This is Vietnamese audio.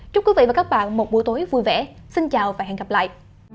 chúc quý vị và các bạn một buổi tối vui vẻ xin chào và hẹn gặp lại